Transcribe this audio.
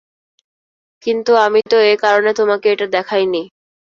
কিন্তু আমি তো এ কারণে তোমাকে এটা দেখাইনি।